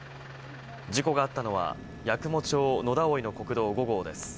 事故があったのは、八雲町野田生の国道５号です。